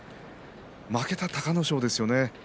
負けた隆の勝ですよね